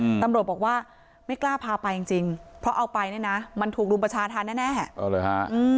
อืมตำลวดบอกว่าไม่กล้าพาไปจริงจริงเพราะเอาไปเนี่ยนะมันถูกรุมประชาธารณ์แน่แน่เออเลยฮะ